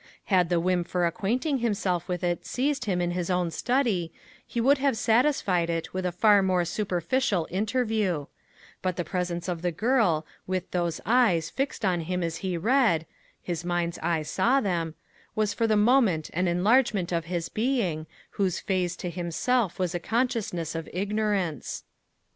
Had the whim for acquainting himself with it seized him in his own study, he would have satisfied it with a far more superficial interview; but the presence of the girl, with those eyes fixed on him as he read his mind's eye saw them was for the moment an enlargement of his being, whose phase to himself was a consciousness of ignorance.